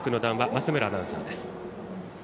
増村アナウンサーです。